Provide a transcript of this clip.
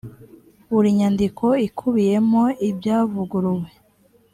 buri nyandiko ikubiyemo ibyavuguruwe